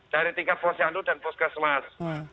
dari tingkat posyandu dan puskesmas